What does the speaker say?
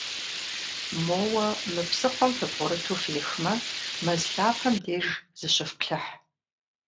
Моуэ мы псыхъуэм фыбгъурыту фехмэ, мэз лъапэм деж зыщыфплъыхь.